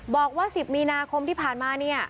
บอกว่า๑๐มีนาคมที่ผ่านมาเนี่ย